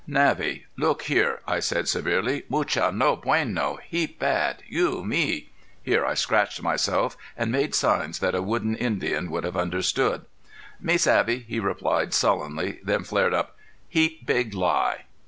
"Navvy, look here," I said severely, "mucha no bueno! heap bad! You me!" here I scratched myself and made signs that a wooden Indian would have understood. "Me savvy," he replied, sullenly, then flared up. "Heap big lie."